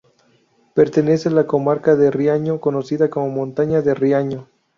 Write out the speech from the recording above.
Pertenece a la comarca de Riaño, conocida como Montaña de Riaño.